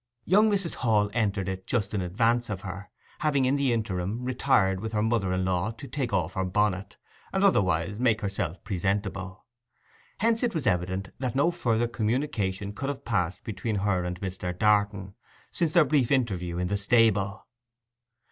Young Mrs. Hall entered it just in advance of her, having in the interim retired with her mother in law to take off her bonnet, and otherwise make herself presentable. Hence it was evident that no further communication could have passed between her and Mr. Darton since their brief interview in the stable.